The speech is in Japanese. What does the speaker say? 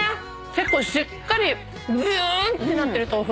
結構しっかりギューッてなってる豆腐。